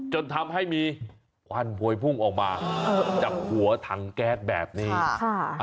จนทำให้มีควันโพยพุ่งออกมาจากหัวถังแก๊สแบบนี้ค่ะ